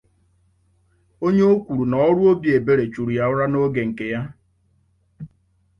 onye o kwùrù na ọrụ obi ebere chùrù ya ụra n'oge nke ya